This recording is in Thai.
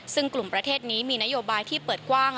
ซึ่งกลุ่มประเทศนี้มีนโยบายที่เปิดกว้าง